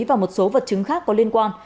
và một số vật chứng khác có liên quan